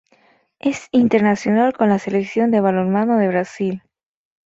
Es internacional con la selección de balonmano de Brasil.